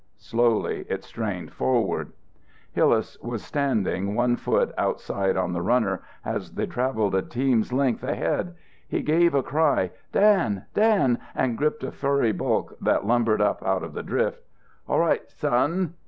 Slowly it strained forward. Hillas was standing, one foot outside on the runner, as they travelled a team's length ahead. He gave a cry "Dan! Dan!" and gripped a furry bulk that lumbered up out of the drift. "All right son."